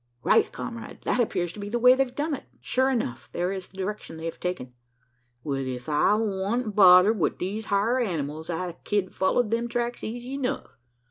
"Right, comrade that appears to be the way they've done it. Sure enough there is the direction they have taken." "Well! ef I wan't bothered wi' these hyar animals, I ked follow them tracks easy enough.